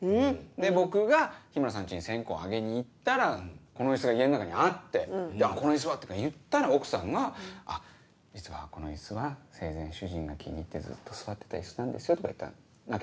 で僕が日村さん家に線香上げに行ったらこのイスが家ん中にあって「あっこのイスは！」とか言ったら奥さんが「実はこのイスは生前主人が気に入ってずっと座ってたイスなんですよ」とか言ったら泣けませんか？